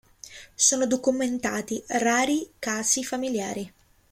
Sono documentati rari casi familiari.